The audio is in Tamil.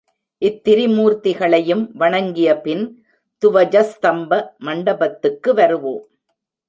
இத்திரிமூர்த்திகளையும் வணங்கியபின் துவஜஸ்தம்ப மண்டபத்துக்கு வருவோம்.